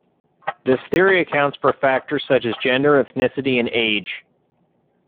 This theory accounts for factors such as gender, ethnicity and age.